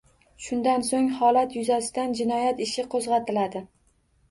Shundan so‘ng holat yuzasidan jinoyat ishi qo‘zg‘atiladi